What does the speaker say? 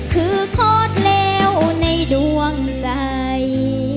คือโคตรเลวในดวงใจ